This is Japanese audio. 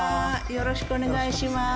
よろしくお願いします。